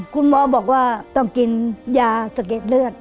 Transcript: คุณหมอบอกว่าต้องกินยาสะเก็ดเลือด